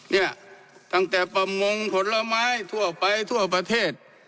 เนี่ยตั้งแต่ประมงผลไม้ทั่วไปทั่วประเทศ